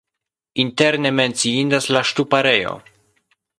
Interne menciindas la ŝtuparejo.